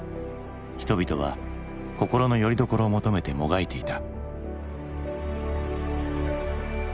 人々は心のよりどころを求めてもがいていた。